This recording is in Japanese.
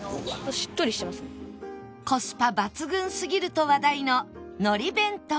コスパ抜群すぎると話題の海苔弁当